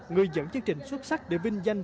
người dẫn chương trình xuất sắc để vinh danh